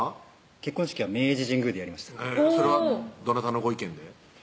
結婚式は明治神宮でやりましたそれはどなたのご意見で？